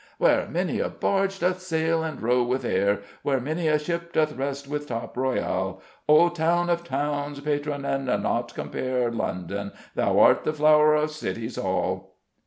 _Where many a barge doth sail and row with are; Where many a ship doth rest with top royall. O towne of townes! patrone and not compare, London, thou art the flow'r of Cities all!